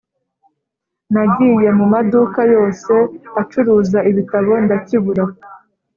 nagiye mu maduka yose acuruza ibitabo ndakibura